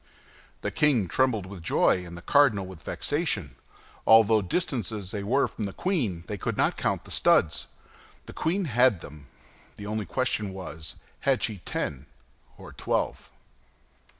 The king trembled with joy and the cardinal with vexation; although, distant as they were from the queen, they could not count the studs. The queen had them. The only question was, had she ten or twelve?